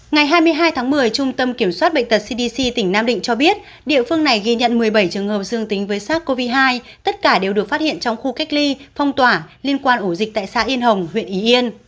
ngày hai mươi hai tháng một mươi trung tâm kiểm soát bệnh tật cdc tỉnh nam định cho biết địa phương này ghi nhận một mươi bảy trường hợp dương tính với sars cov hai tất cả đều được phát hiện trong khu cách ly phong tỏa liên quan ổ dịch tại xã yên hồng huyện ý yên